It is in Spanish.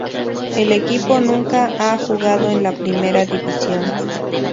El equipo nunca ha jugado en la Primera División.